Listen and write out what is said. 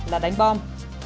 là đánh bom